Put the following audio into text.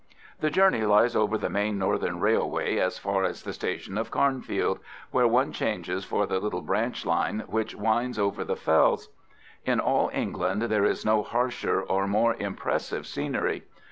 The journey lies over the main Northern Railway as far as the station of Carnfield, where one changes for the little branch line which winds over the fells. In all England there is no harsher or more impressive scenery.